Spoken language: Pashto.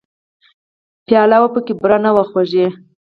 پیاله وه پکې بوره نه وه خوږې !